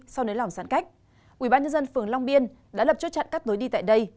sau nến lòng sản cách ubnd phường long biên đã lập chốt chặn các nối đi tại đây